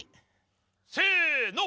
せの！